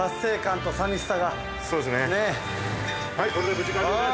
これで無事完了です。